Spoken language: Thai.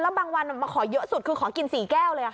บางวันมาขอเยอะสุดคือขอกิน๔แก้วเลย